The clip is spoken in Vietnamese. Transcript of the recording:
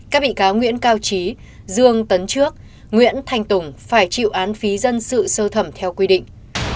các bị cáo nguyễn cao trí dương tấn trước nguyễn thanh tùng phải chịu án phí dân sự sơ thẩm theo quy định